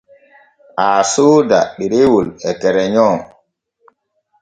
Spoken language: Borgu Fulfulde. Aa sooda ɗerewol e kereyon.